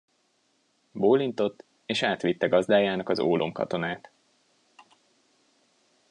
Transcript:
Bólintott, és átvitte gazdájának az ólomkatonát.